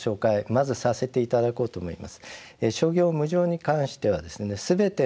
まずさせていただこうと思います。